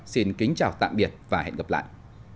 xin kính chào tạm biệt và hẹn gặp lại